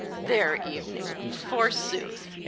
"■ Their evening, forsooth